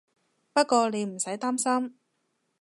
不過你唔使擔心